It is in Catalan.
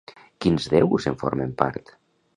Quins déus en formen part?